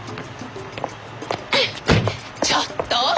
ちょっと！